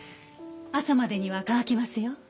朝までには乾きますよ。